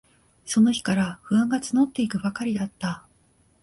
その日から、不安がつのっていくばかりだった。